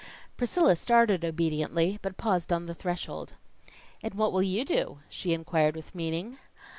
Priscilla started obediently, but paused on the threshold. "And what will you do?" she inquired with meaning.